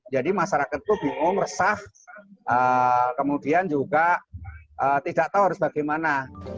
jadi masyarakat itu bingung resah kemudian juga tidak tahu harus bagaimana